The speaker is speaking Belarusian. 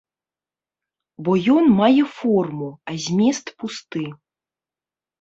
Бо ён мае форму, а змест пусты.